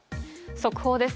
速報です。